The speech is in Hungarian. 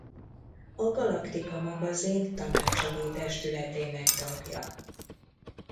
A Galaktika magazin Tanácsadó Testületének tagja.